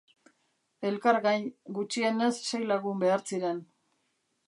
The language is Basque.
Elkargain, gutxienez sei lagun behar ziren.